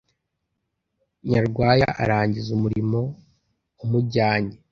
Nyarwaya arangiza umurimo wamujyanye.